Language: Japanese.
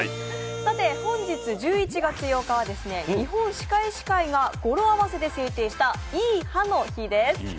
本日１１月８日は日本歯科医師会が語呂合わせで制定したいい歯の日です。